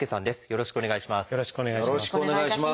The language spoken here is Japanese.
よろしくお願いします。